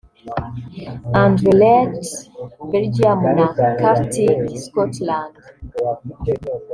Anderlecht (Belgium) na Celtic (Scotland)